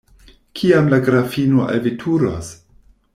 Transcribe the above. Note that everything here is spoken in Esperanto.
Kiam la grafino alveturos?